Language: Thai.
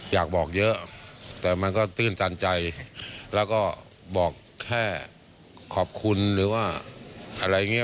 อยากบอกเยอะแต่มันก็ตื้นตันใจแล้วก็บอกแค่ขอบคุณหรือว่าอะไรอย่างนี้